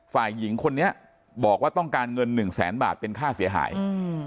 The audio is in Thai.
ฝ่ายหญิงคนนี้บอกว่าต้องการเงิน๑แสนบาทเป็นค่าเสียหาย